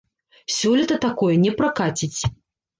Сёлета такое не пракаціць.